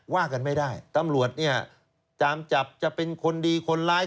ว่ากันไม่ได้ตำรวจเนี่ยตามจับจะเป็นคนดีคนร้าย